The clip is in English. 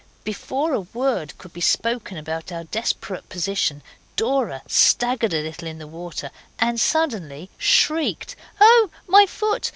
Before a word could be spoken about our desperate position Dora staggered a little in the water, and suddenly shrieked, 'Oh, my foot!